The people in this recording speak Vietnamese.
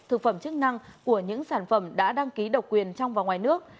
thực phẩm chức năng của những sản phẩm đã đăng ký độc quyền trong và ngoài nước